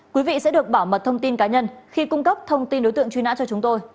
quý vị sẽ được bảo mật thông tin cá nhân khi cung cấp thông tin đối tượng truy nã cho chúng tôi